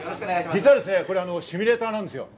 実はシミュレーターなんです。